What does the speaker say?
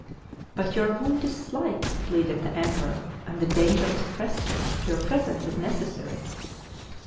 " But your wound is slight," pleaded the emperor, "and the danger is pressing. Your presence is necessary."